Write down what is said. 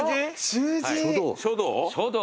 書道？